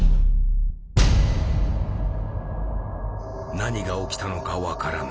何が起きたのか分からない。